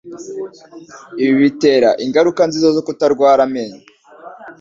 Ibi bitera ingaruka nziza zo kutarwara amenyo